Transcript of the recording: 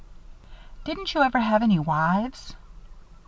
"Didn't you ever have any wives?"